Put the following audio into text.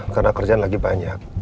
karena kerjaan lagi banyak